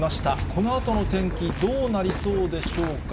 このあとの天気、どうなりそうでしょうか。